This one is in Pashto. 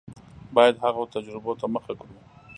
باید هغو تجربو ته مخه کړو.